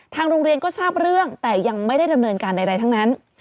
โรงเรียนก็ทราบเรื่องแต่ยังไม่ได้ดำเนินการใดทั้งนั้น